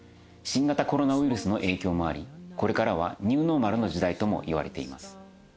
新型コロナウイルスの影響もありこれからはＮｅｗｎｏｒｍａｌの時代ともいわれています。